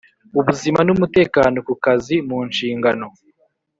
Ubuzima n umutekano ku kazi mu nshingano